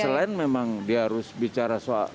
selain memang dia harus bicara soal